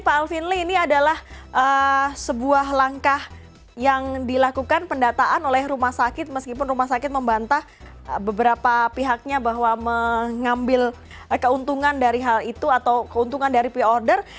pak alvin lee ini adalah sebuah langkah yang dilakukan pendataan oleh rumah sakit meskipun rumah sakit membantah beberapa pihaknya bahwa mengambil keuntungan dari hal itu atau keuntungan dari pre order